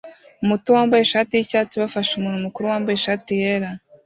muto wambaye ishati yicyatsi bafashe umuntu mukuru wambaye ishati yera